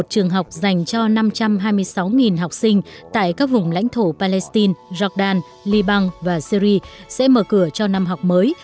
một mươi trường học dành cho năm trăm hai mươi sáu học sinh tại các vùng lãnh thổ palestine jordan liban và syri sẽ mở cửa cho năm học mới